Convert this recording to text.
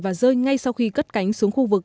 và rơi ngay sau khi cất cánh xuống khu vực